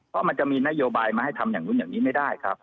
เพราะมันจะมีนโยบายมาให้ทำอย่างนู้นอย่างนี้ไม่ได้ครับ